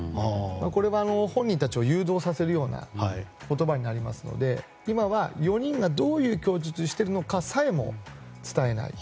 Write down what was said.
これは本人たちを誘導させるような言葉になりますので今は、４人がどういう供述をしているのかさえも伝えない。